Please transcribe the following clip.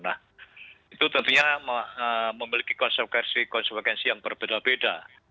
nah itu tentunya memiliki konsekuensi konsekuensi yang berbeda beda